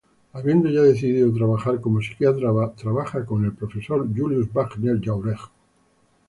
Habiendo ya decido a trabajar como psiquiatra, trabaja con el profesor Julius Wagner-Jauregg.